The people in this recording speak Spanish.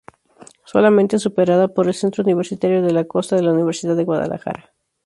Solamente superada por el Centro Universitario de la Costa de la Universidad de Guadalajara.